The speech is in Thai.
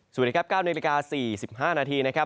สวัสดีครับ๙นาฬิกา๔๕นาทีนะครับ